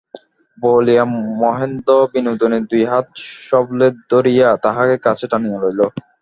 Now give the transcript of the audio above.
বলিয়া মহেন্দ্র বিনোদিনীর দুই হাত সবলে ধরিয়া তাহাকে কাছে টানিয়া লইল।